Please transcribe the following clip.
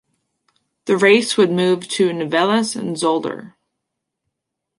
The race would move to Nivelles and Zolder.